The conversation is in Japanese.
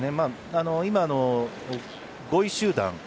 今、５位集団。